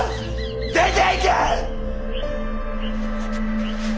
出ていけ！